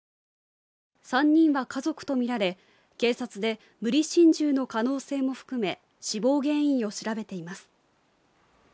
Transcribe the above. ３人は家族とみられ、警察で無理心中の可能性も含め、死亡原因を調べています。